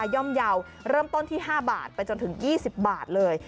่อมเยาว์เริ่มต้นที่๕บาทไปจนถึง๒๐บาทเลย